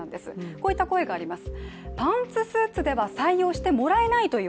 こういった声があります。